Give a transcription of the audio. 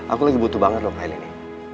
aku lagi butuh banget loh file ini